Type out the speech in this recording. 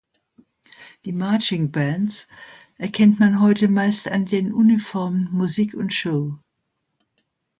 Die "Marching Bands" erkennt man heute meist an den Uniformen, Musik und Show.